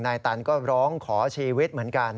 ตันก็ร้องขอชีวิตเหมือนกัน